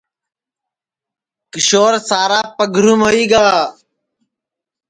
کیشور سارا پگھروم ہوئی گا